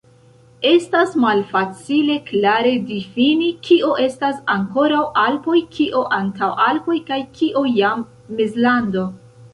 Estas malfacile klare difini, kio estas ankoraŭ Alpoj, kio Antaŭalpoj kaj kio jam Mezlando.